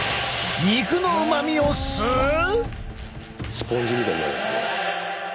スポンジみたいになる？